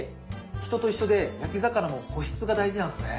人と一緒で焼き魚も保湿が大事なんですね。